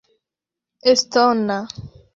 estona